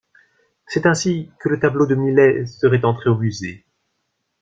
C'est ainsi que le tableau de Millet serait entré au musée.